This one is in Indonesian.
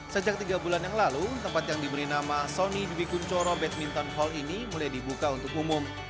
sejak tiga bulan yang lalu tempat yang diberi nama sony dwi kunchoro badminton hall ini mulai dibuka untuk umum